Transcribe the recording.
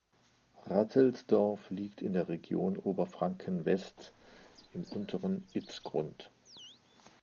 Rattelsdorf liegt in der Region Oberfranken-West im unteren Itzgrund.